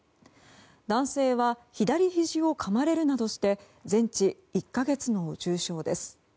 男性は左ひじをかまれるなどして全治１か月の重傷です。